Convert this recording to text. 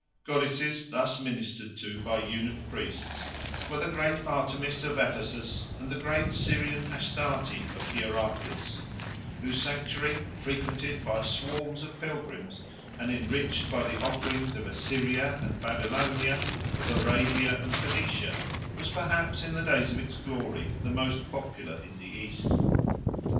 Goddesses thus ministered to by eunuch priests were the great Artemis of Ephesus and the great Syrian Astarte of Hierapolis, whose sanctuary, frequented by swarms of pilgrims and enriched by the offerings of Assyria and Babylonia, of Arabia and Phoenicia, was perhaps in the days of its glory the most popular in the East.